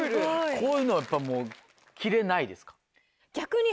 こういうのやっぱもう着れないですか？